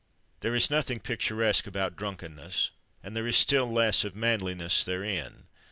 There is nothing picturesque about drunkenness; and there is still less of manliness therein.